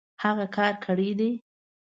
هغۀ کار کړی دی